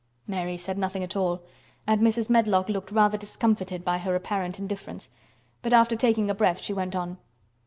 Mary said nothing at all, and Mrs. Medlock looked rather discomfited by her apparent indifference, but, after taking a breath, she went on.